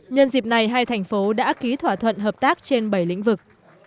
nhân dịp này hai thành phố đã ký thỏa thuận hợp tác trên bảy lĩnh vực